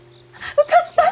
受かった！